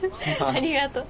ありがとう。